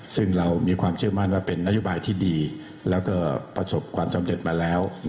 ซึ่งเรามีความเชื่อมั่นว่าเป็นนโยบายที่ดีแล้วก็ประสบความสำเร็จมาแล้ว